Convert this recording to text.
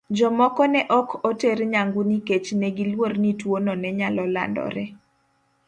Jomoko ne ok oter nyangu nikech ne giluor ni tuwono ne nyalo landore.